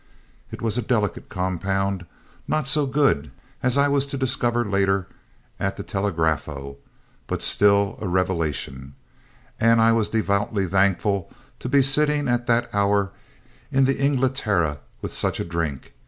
"It was a delicate compound, not so good as I was to discover later at the Telegrafo, but still a revelation, and I was devoutly thankful to be sitting at that hour in the Inglaterra with such a drink.